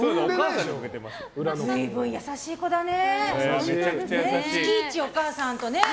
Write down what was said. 随分、優しい子だね。